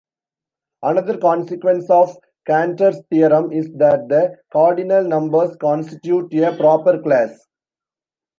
Another consequence of Cantor's theorem is that the cardinal numbers constitute a proper class.